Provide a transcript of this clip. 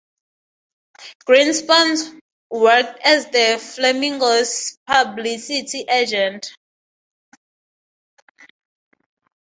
Greenspun worked as the Flamingos's publicity agent.